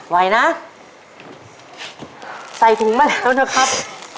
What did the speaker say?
ไหวนะใส่ถุงมาละสวัสดีครับ